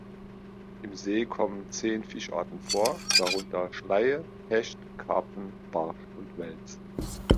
Im See kommen zehn Fischarten vor, darunter Schleie, Hecht, Karpfen, Barsch und Wels.